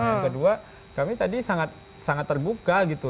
yang kedua kami tadi sangat terbuka gitu